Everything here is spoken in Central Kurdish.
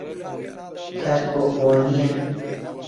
کات بۆ ئەوە نییە.